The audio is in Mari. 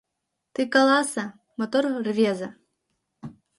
Тый каласе, мотор рвезе